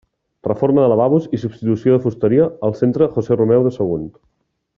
Reforma de lavabos i substitució de fusteria al centre José Romeu de Sagunt.